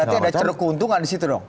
berarti ada ceruk keuntungan di situ dong